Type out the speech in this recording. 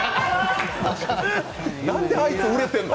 なんであいつ、売れてるの？